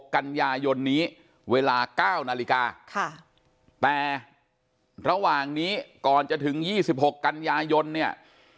กันยายนนี้เวลา๙นาฬิกาแต่ระหว่างนี้ก่อนจะถึง๒๖กันยายนเนี่ย